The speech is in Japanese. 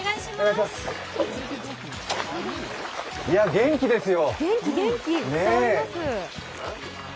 元気ですよ。